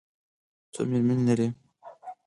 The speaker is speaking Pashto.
څو مېرمنې لري؟